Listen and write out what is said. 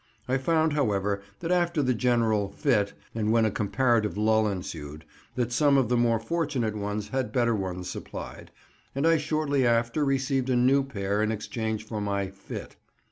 I found, however, that after the general "fit," and when a comparative lull ensued, that some of the more fortunate ones had better ones supplied, and I shortly after received a new pair in exchange for my "fit."